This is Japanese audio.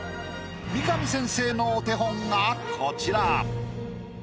三上先生のお手本がこちら。